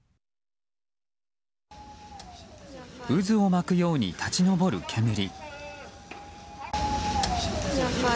渦を巻くように立ち上る煙。